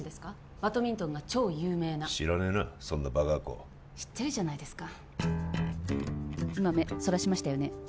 バドミントンが超有名な知らねえなそんなバカ学校は知ってるじゃないですか今目そらしましたよね